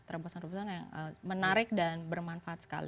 terobosan terobosan yang menarik dan bermanfaat sekali